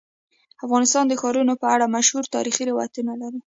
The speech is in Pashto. افغانستان د ښارونه په اړه مشهور تاریخی روایتونه لري.